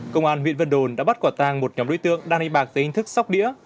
công an huyện vân đồn đã bắt quả tàng một nhóm đối tượng đang đi bạc dưới hình thức sóc đĩa